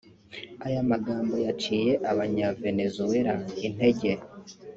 Aya magambo yaciye abanya Venezuela intege